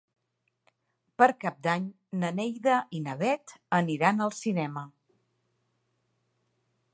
Per Cap d'Any na Neida i na Bet aniran al cinema.